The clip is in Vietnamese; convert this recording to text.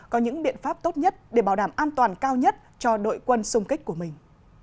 có những biện pháp tốt nhất để bảo đảm an toàn cao nhất cho đội quân xung kích của mình